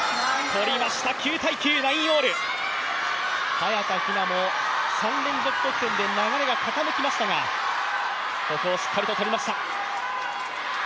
早田ひなも３連続得点で流れが傾きましたがここをしっかりと取りました。